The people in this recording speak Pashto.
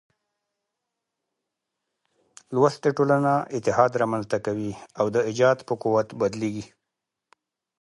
لوستې ټولنه اتحاد رامنځ ته کوي او د ايجاد په قوت بدلېږي.